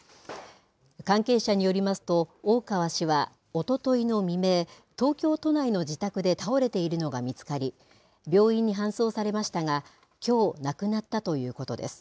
関係者によりますと、大川氏は、おとといの未明、東京都内の自宅で倒れているのが見つかり、病院に搬送されましたが、きょう、亡くなったということです。